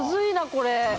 これ。